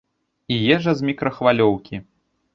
І ежа з мікрахвалёўкі.